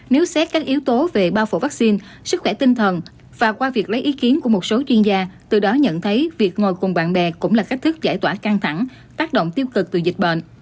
nếu xét các yếu tố về bao phủ vaccine sức khỏe tinh thần và qua việc lấy ý kiến của một số chuyên gia từ đó nhận thấy việc ngồi cùng bạn bè cũng là cách thức giải tỏa căng thẳng tác động tiêu cực từ dịch bệnh